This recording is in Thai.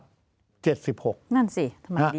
นั่นสิมันดีขึ้น